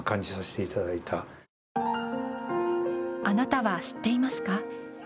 あなたは知っていますか？